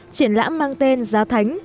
triển lãm mang tên giá thánh